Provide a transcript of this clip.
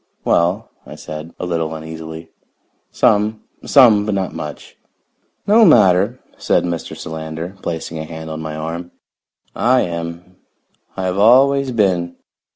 "Well," I said, a little uneasily, "some. Some, but not much." "No matter," said Mr. Solander, placing a hand on my arm. "I am. I have always been.